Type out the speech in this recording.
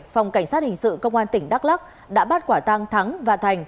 phòng cảnh sát hình sự công an tỉnh đắk lắc đã bắt quả tang thắng và thành